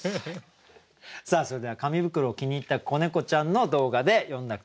さあそれでは紙袋を気に入った子猫ちゃんの動画で詠んだ句